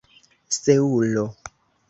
seulo